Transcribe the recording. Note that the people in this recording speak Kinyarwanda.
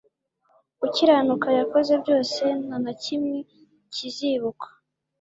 gukiranuka yakoze byose nta na kimwe kizibukwa